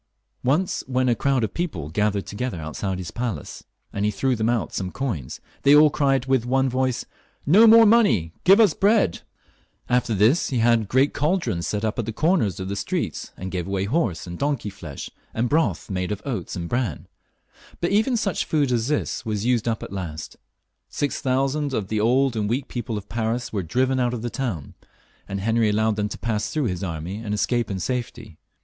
Once when a crowd of people gathered together outside his palace, and he threw them out some coins, they all cried with one voice, " No more money ; give us bread !" After this he had great cauldrons set up at the comers of the streets, and gave away horse and donkey flesh, and broth made of oats and bran. But even such food as this was used up at last. Six thousand of the old and weak people of Paris were driven out of the town, and Henry allowed them to pass through his army and escape in safety.